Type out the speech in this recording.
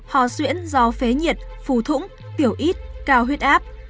phòng hò xuyễn do phế nhiệt phù thủng tiểu ít cao huyết áp